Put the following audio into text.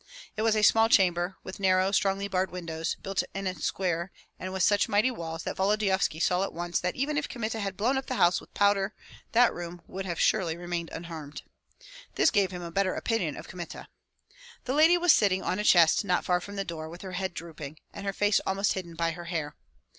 It was a small chamber, with narrow, strongly barred windows, built in a square and with such mighty walls, that Volodyovski saw at once that even if Kmita had blown up the house with powder that room would have surely remained unharmed. This gave him a better opinion of Kmita. The lady was sitting on a chest not far from the door, with her head drooping, and her face almost hidden by her hair.